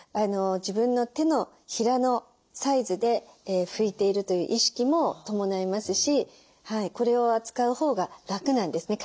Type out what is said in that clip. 自分の手のひらのサイズで拭いているという意識も伴いますしこれを扱うほうが楽なんですね